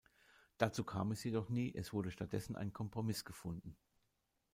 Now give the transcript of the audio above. Dazu kam es jedoch nie, es wurde stattdessen ein Kompromiss gefunden.